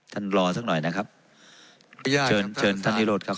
ท่านรอสักหน่อยนะครับเชิญท่านยุทธภงครับ